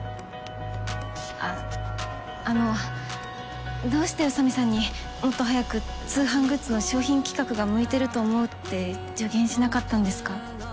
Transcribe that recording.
あっあのどうして宇佐美さんにもっと早く通販グッズの商品企画が向いてると思うって助言しなかったんですか？